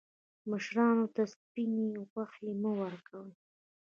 مشرانو ته سپیني غوښي مه ورکوئ.